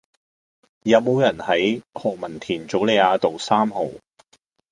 有無人住喺何文田棗梨雅道三號